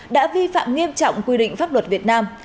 đã vi phạm nghiêm trọng quy định pháp luật việt nam